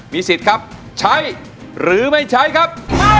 มีสิทธิ์ครับใช้หรือไม่ใช้ครับ